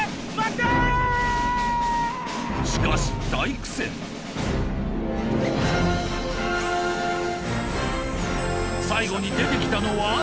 しかし大苦戦最後に出てきたのは？